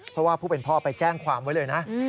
เพราะว่าผู้เป็นพ่อไปแจ้งความไว้เลยนะ